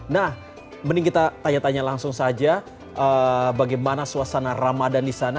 nah mending kita tanya tanya langsung saja bagaimana suasana ramadan di sana